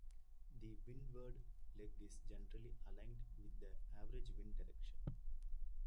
The windward leg is generally aligned with the average wind direction.